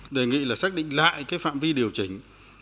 đề nghị là xác định lại cái phạm vi điều chỉnh